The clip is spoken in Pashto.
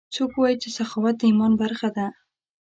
څوک وایي چې سخاوت د ایمان برخه ده